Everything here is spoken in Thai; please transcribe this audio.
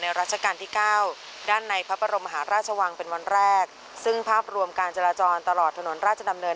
รัชกาลที่เก้าด้านในพระบรมหาราชวังเป็นวันแรกซึ่งภาพรวมการจราจรตลอดถนนราชดำเนิน